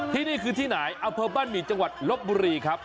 ที่นี่คือที่ไหนอำเภอบ้านหมี่จังหวัดลบบุรีครับ